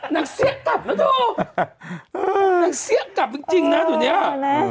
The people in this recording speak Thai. นักเสี้ยกกลับนะโทรนักเสี้ยกกลับจริงจริงนะตอนนี้เออเออเออเออ